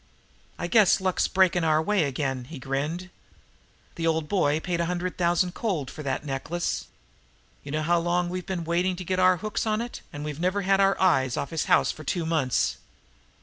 "I guess luck's breaking our way again," he grinned. "The old boy paid a hundred thousand cold for that necklace. You know how long we've been waiting to get our hooks on it, and we've never had our eyes off his house for two months.